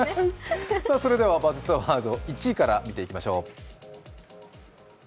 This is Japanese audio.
それでは、バズったワード、１位から見ていきましょう。